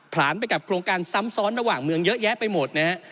ผ่านไปกับโครงการซ้ำซ้อนระหว่างเมืองเยอะแยะไปหมดนะฮะ